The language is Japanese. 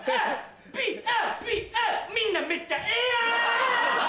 みんなめっちゃエーやん！